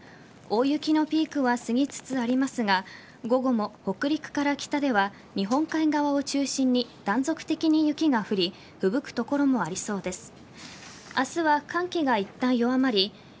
大雪のピークは過ぎつつありますが午後も北陸から北では日本海側を中心に断続的に雪が降りふぶくところもありそうです。